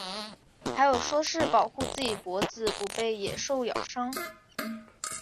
还有说是保护自己脖子不被野兽咬伤。